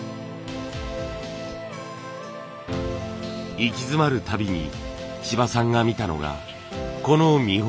行き詰まるたびに千葉さんが見たのがこの見本帳。